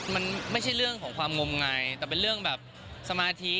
มันไม่ใช่เรื่องของความงมงายแต่เป็นเรื่องแบบสมาธิ